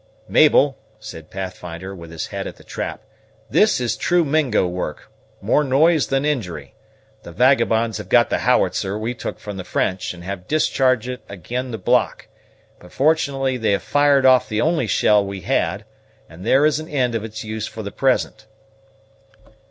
"Mabel," said Pathfinder, with his head at the trap, "this is true Mingo work more noise than injury. The vagabonds have got the howitzer we took from the French, and have discharged it ag'in the block; but fortunately they have fired off the only shell we had, and there is an ind of its use for the present.